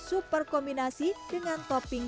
super kombinasi dengan topping